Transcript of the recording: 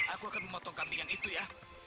aku akan memotong kambing yang itu ya